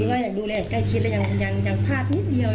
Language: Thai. ยังว่าอยากดูแลแก้ชิดแต่ยังพลาดนิดเดียว